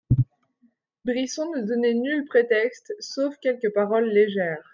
Brisson ne donnait nul prétexte, sauf quelques paroles légères.